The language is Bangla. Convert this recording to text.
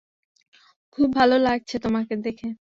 খুব ভাল লাগছে তোমাকে দেখে।